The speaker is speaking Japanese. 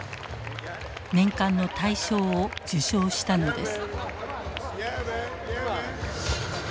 年間の大賞を受賞したのです。